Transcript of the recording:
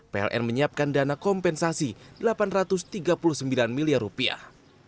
pln menyiapkan dana kompensasi delapan ratus tiga puluh sembilan miliar rupiah